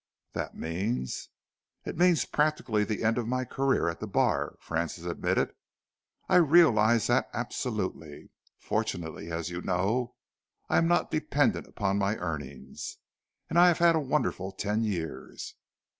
"That means " "It means practically the end of my career at the bar," Francis admitted. "I realise that absolutely: Fortunately, as you know, I am not dependent upon my earnings, and I have had a wonderful ten years."